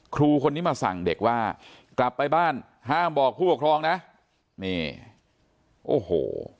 ครูคนนี้มาสั่งเด็กว่ากลับไปบ้านห้ามบอกผู้ปกครองนะนี่โอ้โห